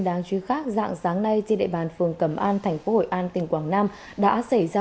đáng chú ý khác dạng sáng nay trên địa bàn phường cẩm an thành phố hội an tỉnh quảng nam đã xảy ra